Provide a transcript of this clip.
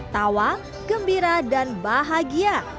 tawa gembira dan bahagia